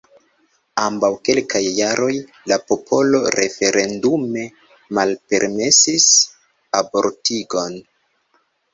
Antaŭ kelkaj jaroj la popolo referendume malpermesis abortigon.